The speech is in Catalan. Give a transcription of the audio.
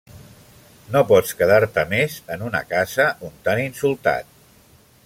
No pots quedar-te més en una casa on t’han insultat